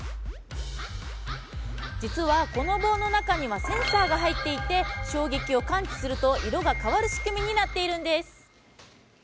実は、この棒の中にはセンサーが入っていて衝撃を感知すると色が変わる仕組みになっているんです。